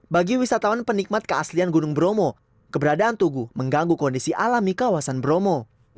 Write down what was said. bagi wisatawan penikmat keaslian gunung bromo keberadaan tugu mengganggu kondisi alami kawasan bromo